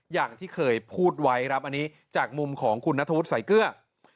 อย่างที่เคยพูดไว้ครับอันนี้จากมุมของคุณนัทวุฒิสายเกลือ